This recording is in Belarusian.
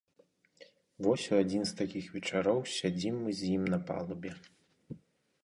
Вось у адзін з такіх вечароў сядзім мы з ім на палубе.